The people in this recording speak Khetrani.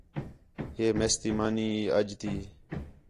ہے میس تی مانی ہی اَڄ تی